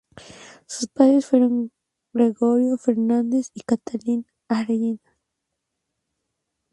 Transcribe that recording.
Sus padres fueron Gregorio Fernández y Catalina Arenillas.